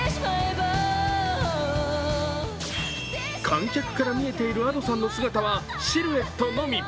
観客から見えているＡｄｏさんの姿はシルエットのみ。